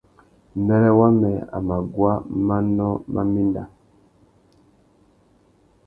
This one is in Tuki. Mbêrê wamê a mà guá manô má méndá.